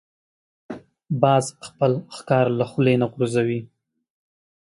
باز خپل ښکار له خولې نه غورځوي